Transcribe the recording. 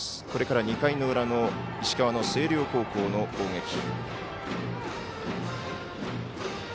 これから２回の裏の石川の星稜高校の攻撃。